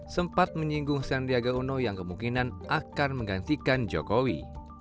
sempat menyinggung sandiaga uno yang kemungkinan akan menggantikan jokowi